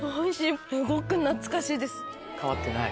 変わってない？